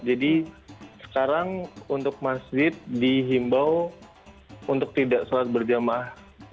jadi sekarang untuk masjid dihimbau untuk tidak sholat berjamah